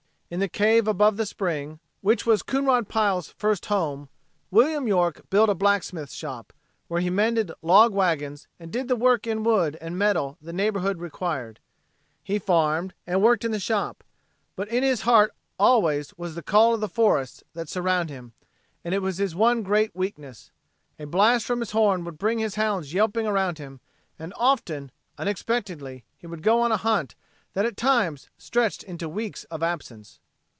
In the cave above the spring, which was Coonrod Pile's first home, William York built a blacksmith's shop, where he mended log wagons and did the work in wood and metal the neighborhood required. He farmed, and worked in the shop but in his heart, always, was the call of the forests that surrounded him, and it was his one great weakness. A blast from his horn would bring his hounds yelping around him; and often, unexpectedly, he would go on a hunt that at times stretched into weeks of absence.